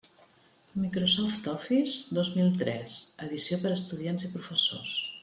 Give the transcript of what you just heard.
Microsoft Office dos mil tres, edició per a estudiants i professors.